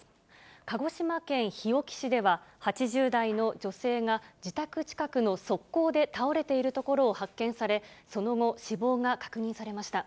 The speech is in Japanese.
鹿児島県日置市では、８０代の女性が自宅近くの側溝で倒れているところを発見され、その後、死亡が確認されました。